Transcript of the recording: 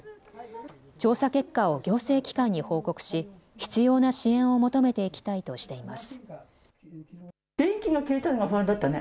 調査結果を行政機関に報告し必要な支援を求めていきたいとしています。